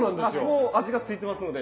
もう味がついてますので。